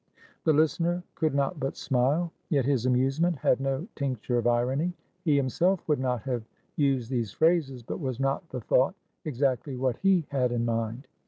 The listener could not but smile. Yet his amusement had no tincture of irony. He himself would not have used these phrases, but was not the thought exactly what he had in mind?